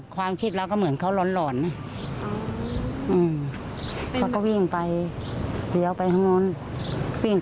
ถ้าตรงนี้ก็คือเหมือนทำร้ายข้าวของเหมือนคลั่ง